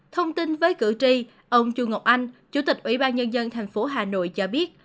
thông tin với cử tri ông chu ngọc anh chủ tịch ủy ban nhân dân thành phố hà nội cho biết